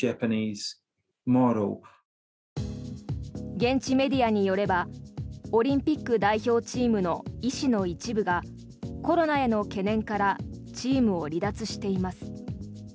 現地メディアによればオリンピック代表チームの医師の一部がコロナへの懸念からチームを離脱しています。